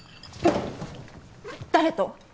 誰と？